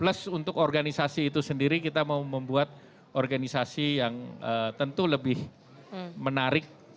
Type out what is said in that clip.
plus untuk organisasi itu sendiri kita mau membuat organisasi yang tentu lebih menarik